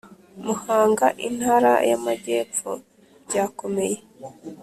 Muhanga Intara y Amajyepfo byakomeye